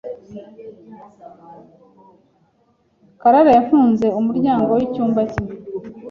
Karara yafunze umuryango w'icyumba cye.